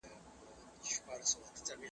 د پنبي فابریکه د وړیو تر فابریکي لویه ده.